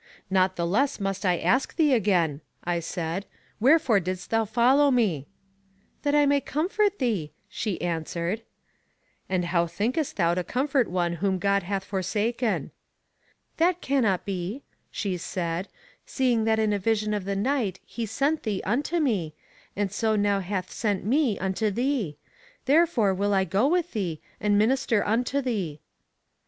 Not the less must I ask thee again, I said, wherefore didst thou follow me? That I may comfort thee, she answered. And how thinkest thou to comfort one whom God hath forsaken? That cannot be, she said, seeing that in a vision of the night he sent thee unto me, and so now hath sent me unto thee. Therefore will I go with thee, and minister unto thee.